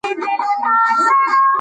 خپله کوټه د ارام لپاره سمه کړه.